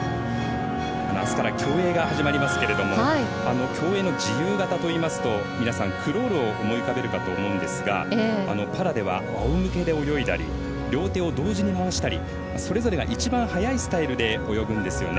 あすから競泳が始まりますが競泳の自由形といいますとクロールを思い浮かべるかと思いますがパラではあおむけで泳いだり両手を同時に回したりそれぞれが一番速いスタイルで泳ぐんですね。